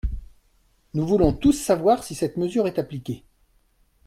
Nous voulons tous savoir si cette mesure est appliquée.